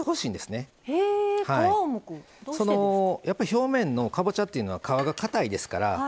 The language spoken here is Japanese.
表面のかぼちゃっていうのは皮がかたいですから。